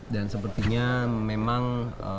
dan sepertinya memang